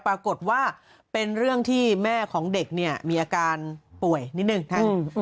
ปรากฏว่าเป็นเรื่องที่แม่ของเด็กเนี่ยมีอาการป่วยนิดนึงนะ